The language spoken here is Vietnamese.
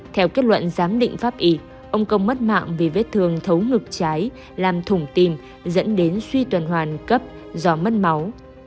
theo kết luận giám định pháp y ông công mất mạng vì vết thương thấu ngực trái làm thủng tim dẫn đến suy tuần hoàn cấp do mất máu